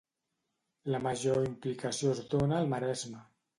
La major implicació es dona al Maresme.